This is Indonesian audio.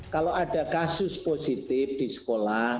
kalau ada kasus positif di sekolah